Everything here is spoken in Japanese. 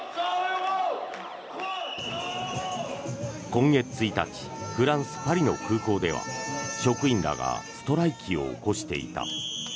今月１日フランス・パリの空港では職員らがストライキを起こしていた。